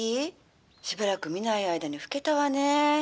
しばらく見ない間に老けたわね」。